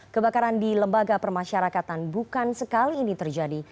kebakaran di lembaga permasyarakatan bukan sekali ini terjadi